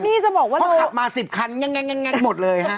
เพราะขับมา๑๐คันแง่หมดเลย